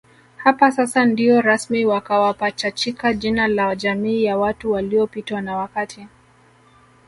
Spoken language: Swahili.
Hapa sasa ndio rasmi wakawapachachika jina la Jamii ya watu waliopitwa na wakati